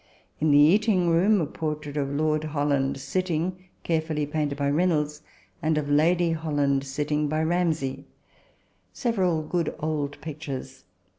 In the eating room a portrait of Lord Holland sitting, carefully painted by Reynolds ; and of Lady Holland sitting, by Ramsey. Several good old pictures.